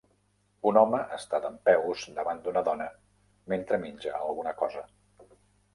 Un home està dempeus davant d'una dona mentre menja alguna cosa.